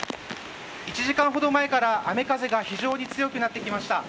１時間ほど前から雨風が非常に強くなってきました。